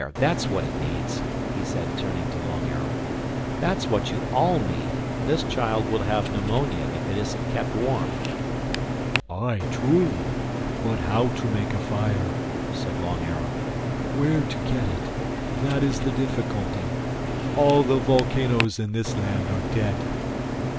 That's what it needs," he said turning to Long Arrow—"That's what you all need. This child will have pneumonia if it isn't kept warm." "Aye, truly. But how to make a fire," said Long Arrow—"where to get it: that is the difficulty. All the volcanoes in this land are dead."